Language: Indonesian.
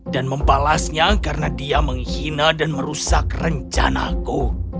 dan membalasnya karena dia menghina dan merusak rencanaku